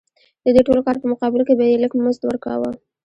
د دې ټول کار په مقابل کې به یې لږ مزد ورکاوه